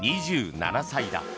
２７歳だ。